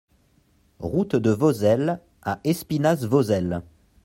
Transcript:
Route de Vozelle à Espinasse-Vozelle